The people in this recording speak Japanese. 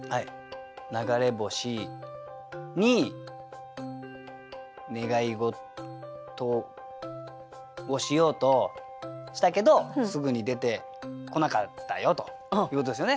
流れ星に願い事をしようとしたけどすぐに出てこなかったよということですよね。